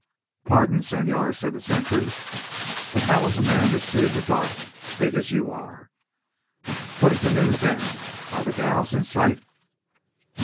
"Pardon, senor," said the sentry, "but how was a man to see in the dark, big as you are? What is the news then? Are the dhows in sight?"